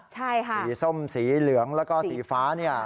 ใช่ค่ะสีส้มสีเหลืองแล้วก็สีฟ้าเนี่ย